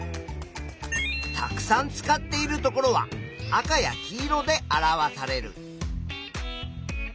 たくさん使っているところは赤や黄色で表される。